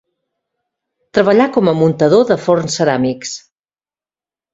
Treballà com a muntador de forns ceràmics.